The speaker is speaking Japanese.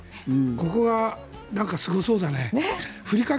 ここがすごそうだね。